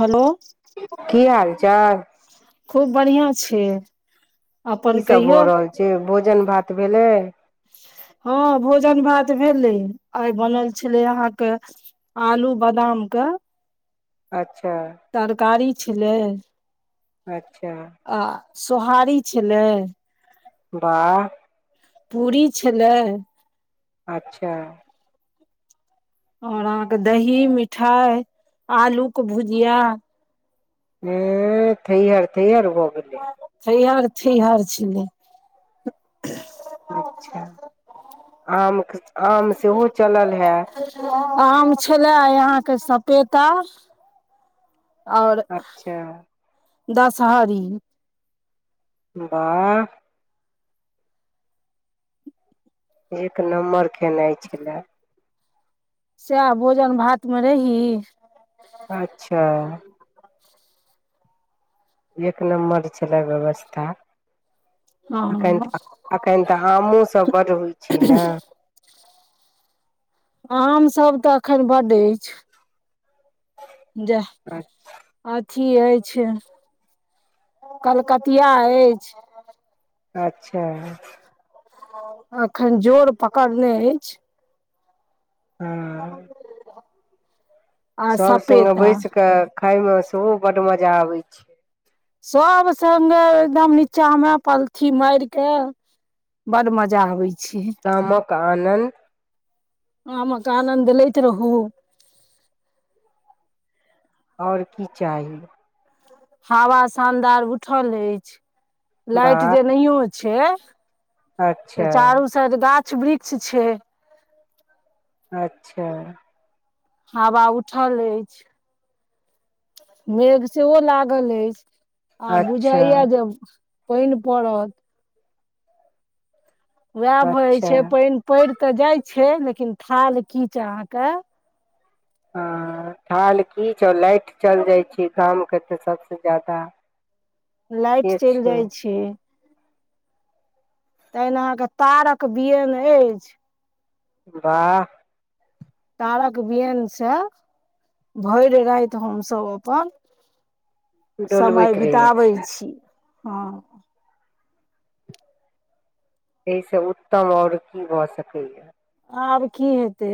hello की हाल चाल खूब बढ़िया छियै कीसभ भऽ रहल छै भोजन भात भेलै हँ भोजन भात भेलै आइ बनल छलै अहाँके आलू बदाम कऽ अच्छा तरकारी छलै अच्छा आ सोहारी छलै बाह पूरी छलै अच्छा और अहाँके दही मिठाइ आलूके भुजिया उउउ थैहर थैहर भ थैहर थैहर छलै अच्छा आम के त आम सेहो चलल हेत खेले आय आहां के सपेता और अच्छा दशहरी बाह एक नम्बर केनैय छलै सएह भोजन भात मे रही अच्छा एक नम्बर छलेअ व्यवस्था एखन हँ तऽ एखन तऽ हमहूसभ बड होइ छी न आम सभ तऽ अखैन बड अछि जाह अत की अछि कलकतिया अछि अच्छा अखैन जोर पकड़ने अछि हँ [unintelligible] आ सभ सङ्गे सपेता बैस कऽ खाायमे सेहो बड मजा आबै छैय सब सङ्गे एदम नीचा मे पलथी माइर के बड मजा आबै छैय कानन आमक आनन्द लैइत रहू और की चाही हावा शानदार उठल अछि लाइट वाह जे नहो छै तऽ अच्छा चारू साइड गाछ वृक्ष छैय अच्छा हावा उठल अछि मेघ सेहो लागल अछि आ अच्छा बुझाइ या जब पाइन पड़त उएह भह अच्छा छै पाइन पैइर तऽ जाइ छै लेकिन थाल खीच अहाँके अ थाल खीच और लाइट चल जाइ छै काम क तऽ सभसँ ज्यादा लाइट चैइल जाइ छै ताइल अहाँके तारक बियैन अछि बाह तारक बियैन से भैर राति हमसभ अपन समय डोलबैत रहै बिताबै छी हँ एहिसँ उत्तम आओर की भऽ सकैएा आब की हेते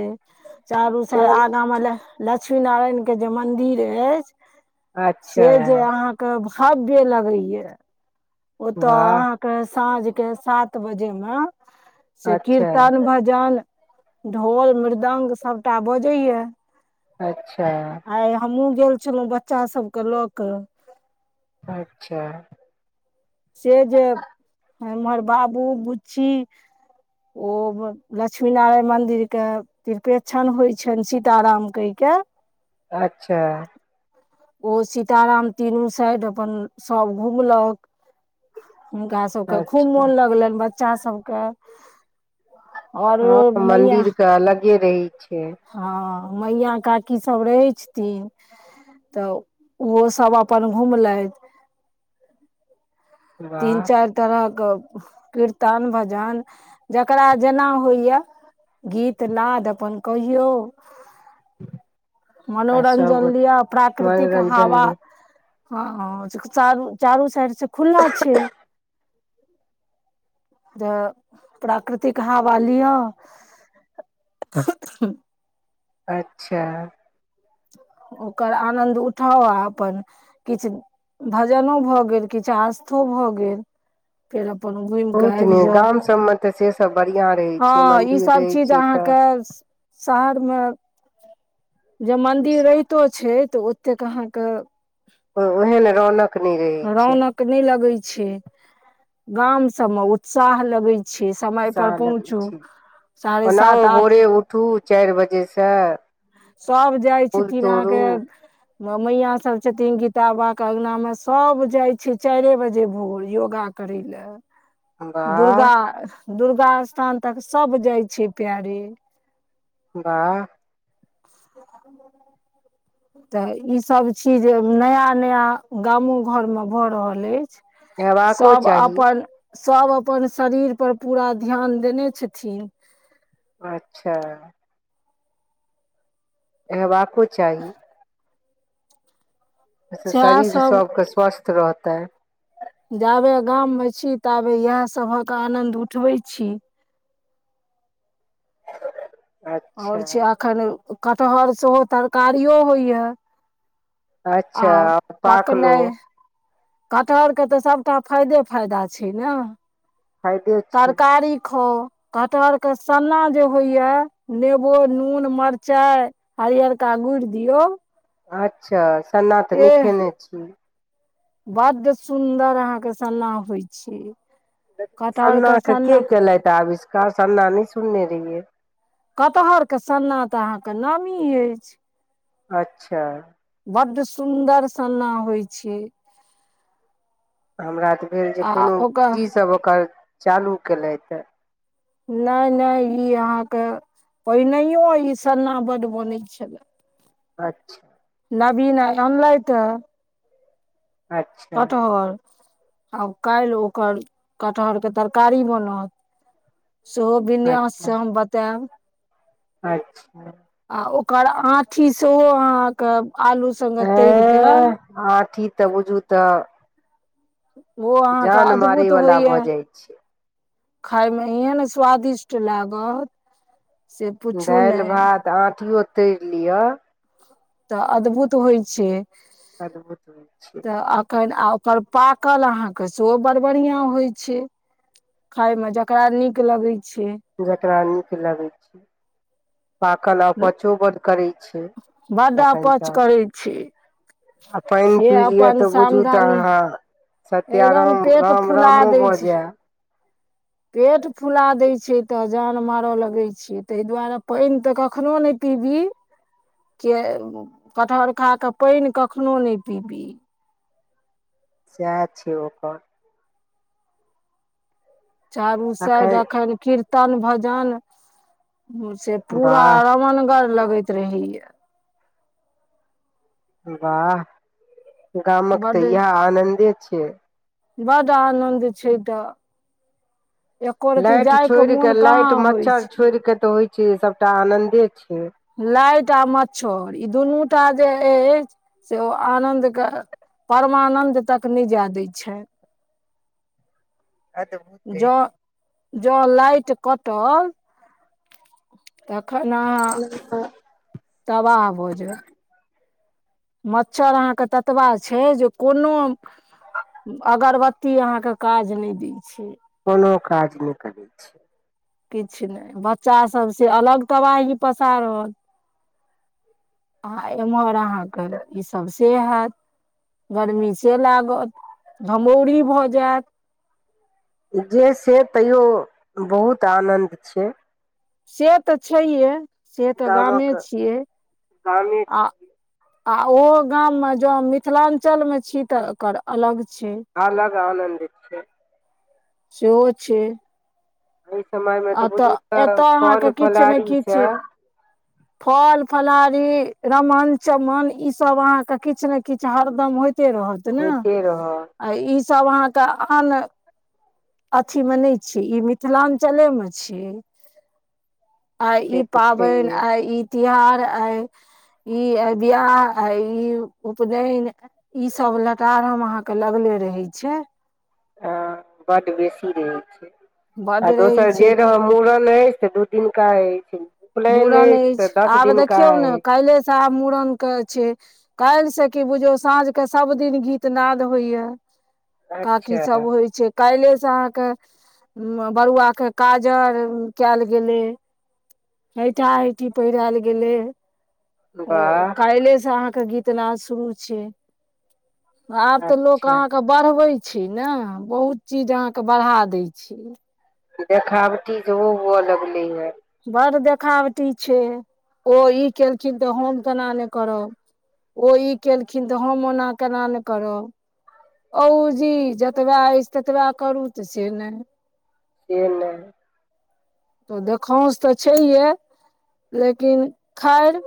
चारूस आगा मे ल लक्ष्मी नारायण के जे मंदिर अइछ अच्छा से जे अहाँ के हव्य लगैया ओतऽ वाह अहाँके साँझ के सात बजे मे से अच्छा कीर्तन भजन ढोल मृद्ंग सबटा बजै या अच्छा हमहुँ गेल छलऊ बच्चा सबके लऽ कऽ अच्छा से जे हममहर बाबू बुच्ची ओ लक्ष्मी नारायण मंन्दिर के तिरपेक्षण होइ छनि सीत राम कै के क [inaudible] अच्छा ओ सीताराम तीनू साइड अपन सब घुमलक हुनका सबके खूब अच्छा मोन लगलैन बच्चा सबके हँ मैया मन्दिर के अलगे रही हँ मईया काकीसब रहै छथिन तऽ ओहो सब अपन घुम लईथ [inaudible] तीन वाह चार तरह के कीर्तन भजन जकरा जेना होइए गीत नाद अपन कहियौ ह [inaudible] मनोरंजन लिअ प्राकृतिक मनोरंजन हावा ले हँ चक चारु चारू साइड से खुला छै जे प्राकृतिक हावा लीअ [inaudible] अच्छा ओकर आनन्द उठाउ आ अपन किछ भजनो भऽ गेल किछु आस्थो भऽ गेल फेड़ अपन घुईम कऽ बहुत आईब नीक जाउ गाम सबमे तऽ से सब बढ़ियां रहै हँ छै ई मंदिर सब रहै चीज छै तऽ अहाँके शहर मे जे मंन्दिर रहितो छै तऽ ओतेक अहाँ के ओ ओहे ले रौनक नहि रहै छै रौनक नय लगै छै गाम सबमे उत्साह लगै छै समय सा पर लगै पहुँचू छै साढ़े ओनाउ सात आठ भोरे उठू चारि बजे सँ सभ जाइ छथिन अहाँ के मैया सब छथिन गीता बाबा के अंगना में सब जाय छै चारे बजे भोर योगा करै ले वाह दुर्गा दुर्गा स्थान तक सब जाइ छै पैरे बाह त ब [inaudible] तऽ ईसब चीज नया नया गामो घर मे भऽ रहल अईछ हेबाको सब चाही आपन सब अपन शरीर पर पूरा ध्यान देने छथिन अच्छा एहवाको चाही ओसे सएह शरीर सब सबके स्वस्थ रहतै जाबे गाम मे छी ताबे इएहसभक आनन्द उठबै छी और अच्छा छै एखन कटहर सेहो तरकारियो होइए आ अच्छा पाकलो पकनाइ कटहर के तऽ सभटा फायदे फायदा छै ने फाइदे छै खो कटहर के सन्ना जे होइया नेबो नून मरचाइ हरियरका गुइर दियऔ अच्छा सन्ना तऽ नै खेने छी बड्ड सुन्दर अहाँ के सन्ना होइ छै सन्ना के के केलथि आविष्कार सन्ना नहि सुनने रहियै कटहर के सन्ना तऽ अहाँके नामी अछि अच्छा बड्ड सुन्दर सन्ना होइ छै हमरा तऽ भेल जे आ कोनो ओकर इ ज सब ओकर चालू केलेथहे नहि नहि ई अहाँके पहिनहिओ ई सन्ना बड्ड बनै छलए अच्छह नवीन आई अनलेथ ह अच्छह आब काल्हि ओकर कटहर के तरकारी बनत सेहो विन्यास अच्छा स हम बतेब अच्छा आ ओकर आठी सेहो अहाँ क आलू संगे तैरि क एह आँठी तऽ बुझू तऽ ओ अहाँ के जान मारै अद्भुत वला होइ यै भऽ जाइ छै खााय में एहन स्वादिष्ट लागत से पूछू दालि नहि भात आंठीयो तैरि लिअ तऽ अद्भुत होइ छै अद्भुत हो छै पर पाकल अहाँके सेहो बड़ बढियाँ होइ छै खााय मे जकरा नीक लगै छै जकरा निक लगै छै पाकल अपचो बड करै छै बड्ड तखन अपच तऽ करै छै आ पैन से पी लिय अपन तऽ बुझू त सामधानी हाँ सत्या एकदम राम पेट राम फुला रामो दै भ छै जे पेट फुला दैत छै तऽ जान मारय लगैत छैै ताहि दुआरे पैन तऽ कखनो नइ दीदी के कटहर खा क पाइन कखनहु नइ पीबी सैह छै ओकर चारू साइड एखन कीर्तन भजन से पूरा वाह रमणगर लगैत रहै य वाह गामक तऽ यैह आनन्दे छै बड आनन्द छै तऽ एको रती लाइट जायके छोड़ मोन क लाइट कहाँ होइ छै मच्छर छोड़ के तऽ होइ छै सभटा आनन्दे छै लाइट आ मच्छर ई दुनूटा जे अइ से ओ आनंद क परमानन्द तक जाय दै छै अइ त बहुतै जँ जँ लाइट कटल तखन अहाँ तबाह भ जेब मच्छर अहाँके ततबा छै जे कोनो अगरबत्ती अहाँ क काज नइ दै छै कोनो काज नइ करै छै किछु नै बच्चा सभ से अलग तबाही पसारल आ एम्हर अहाँके ई सब से हैत गर्मी से लागत घमौरी भऽ जायत जे से तैयो बहुत आनन्द छै से तऽ छैहे से तऽ गामे गामक छियै गामे छै आ आ ओहो गाम मे जो मिथिलाञ्चल मे छी तऽ एकर अलग छै अलग आनन्द छैे सेहो छै एहि समय मे तऽ अतऽ बुझू तऽ एतय अहाँ फल के किछु ने फलहारी किछु से फल फलारी इ रमन चमन इ सब अहाँ के किछ ने किछ हरदम होयते रहत ने होइते रहत आ ईस सब अहाँ के आन अथीमे नहि छै इ मिथिला थले मे छै आ से ई तऽ पाबनि छैहे आइ ई तीहार आइ इ आई बियाह आइ उपनयन इ सब लतारहम अहाँ के लगले रहै छै ह बड्ड बेसी रहैत छै बड आ रहै दोसर छै जे तऽ रह मूड़न होइ से दू दिन का रहै छै मूड़न ऐछि आब देखियौ न अछि कैइल्हे सँ आब मूड़न के छै काल्हि से की बुझियो साँझ क सब दिन गीत नाद होइया काकी अच्छा सब होइ छै काइल्हे से अहाँके बरुआ के काजर केल गेलै हैठा हैठी पहिरायल गेले ओ वाह काइले स अहाँ के गीत नाद शुरू छै आब तऽ लोक अच्छा अहाँ के बढ़बे छै छी ने बहुत चीज अहाँके बढ़ा दै छै देखावटी जे ओहो हुए लगलैय बड़ देखावटी छै ओ ई केलखिन तऽ हम केना नइ करब ओ ई केलखिन तऽ हम ओना केना नै करब ओऊजी जतबा अछि ततबा करू तऽ से नइ से नै तऽ देखाउश तऽ छैहे लेकिन खैर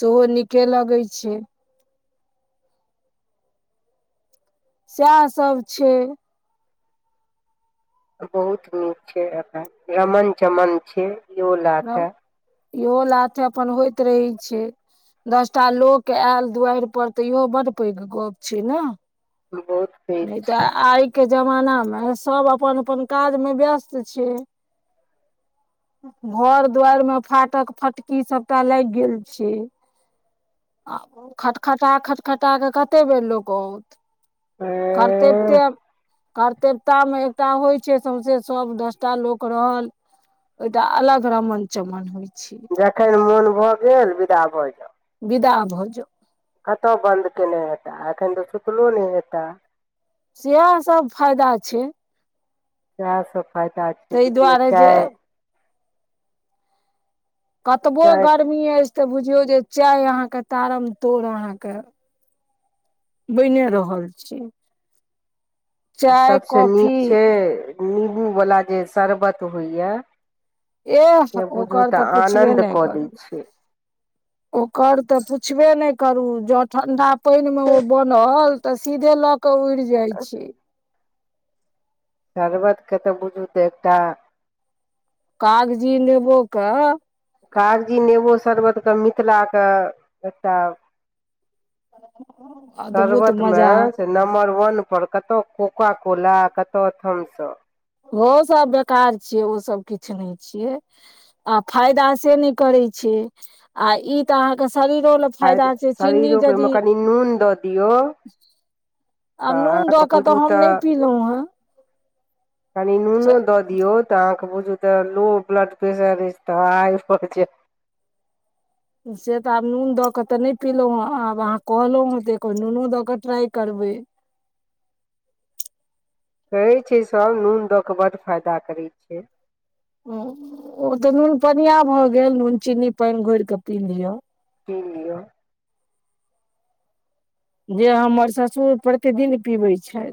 सेहो नीके लगैत छै सएह सभ छै बहुत नीक छै एतय रमन चमन छै इहो लाथे इहो लाथे अपन होइत रहै छै दसटा लोक एल दुआरि पर तऽ इहो बड पैघ गप छै ने बहुत पैघ छै के जमाना मे सब अपन अपन काजमे व्यस्त छै [inaudible] घर दु्वारीमे फाटक फटकी सबटा लागि गेल छै आ खटखटा खटखटा कऽ कतेक बेर लोक आओत करतै ऐं ते [unintelligible] कर्तेव्यता मे एकटा होइ छै सौंसे सब दसटा लोक रहल ओ एकटा अलग रमन चमन होइ छै जखन मोन भऽ गेल विदा भऽ जाउ विदा भऽ जो कतहु बन्द कयने हेताह एखन तऽ सुतलो नहि हेताह सेएह सब फायदा छै सैह सभ फायदा छै ताहि बीचमे दुआरे जे चाय कतबो चाय गर्मी अछि तऽ बुझियौ जे चाय अहाँके तारम तोड़ अहाँके बनि रहल छियै आ सभसँ नीक छै नीबूवला जे शरबत होइए एह ओकर तऽ पुछबे नहि कऽ दै छै करू ओकर तऽ पूछबे नै करू जँ ठंडा पानि मे ओ बनल तऽ सीधे लऽ कऽ उड़ि जाइ छै शरबत के तऽ बुझू तऽ एकटा कागजी नेंबो के कागजी नेबो शरबतके मिथिलाक एकटा [inaudible] अद्भुत शर्बतमे मजा से नम्बर वन पर कतऽ ओ कोका कोला आ कतऽ स थम स ओ सब बेकार छियै ओसभ किछु नहि छियै आ फायदा से नहि करय रै छै आ ई तऽ अहाँक शरीरो ल आ फायदा छै चीन्नी शरीरोके जदि ओहिमे कनि नून दऽ दियौ तऽ आब नून अहाँके दऽ कऽ बुझू तऽ हम नहि पीलहुँ हेँ कनी नुनो दऽ दियौ तऽ अहाँके बुझू तऽ लो ब्लड प्रेशर अछि तऽ हाइ भऽ जैत से तऽ आब नून दऽ कऽ तऽ नहि पीलहुँ हेँ आब अहाँ कहलहुँ हेँ तऽ नूनो दऽ कऽ ट्राइ करबै [inaudible] कहै छै सभ नून दऽ कऽ बड्ड फायदा करै छै हँ ओ तऽ नून पनिया भऽ गेल नून चीन्नी पानि घोरि कऽ पी लिअ पी लिय जे हमर ससुर प्रतिदिन पीबै छथि